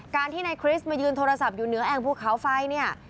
การที่นายคริสต์มายืนโทรศัพท์อยู่เหนือแอ่งภูเขาไฟเนี่ย